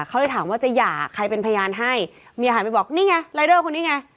เขาเลยถามว่าจะหย่าใครเป็นพยานให้เมียหันไปบอกนี่ไงรายเดอร์คนนี้ไง